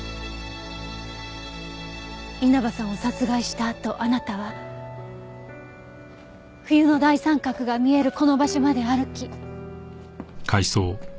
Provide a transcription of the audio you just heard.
稲葉さんを殺害したあとあなたは冬の大三角が見えるこの場所まで歩き。